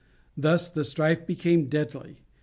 Thus the strife became deadly.